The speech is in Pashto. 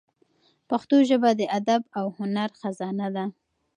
پښتو ژبه د ادب او هنر خزانه ده.